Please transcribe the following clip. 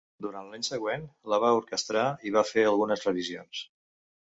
Durant l'any següent la va orquestrar i va fer algunes revisions.